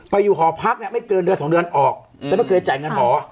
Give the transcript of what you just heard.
อยู่หอพักเนี่ยไม่เกินเดือนสองเดือนออกแล้วไม่เคยจ่ายเงินหอ